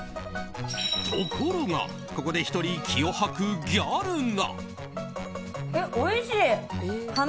ところが、ここで１人気を吐くギャルが。